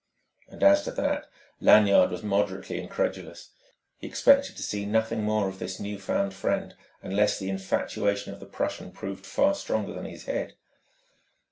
And as to that, Lanyard was moderately incredulous: he expected to see nothing more of this new found friend, unless the infatuation of the Prussian proved far stronger than his head.